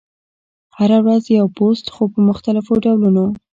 هره ورځ یو پوسټ، خو په مختلفو ډولونو: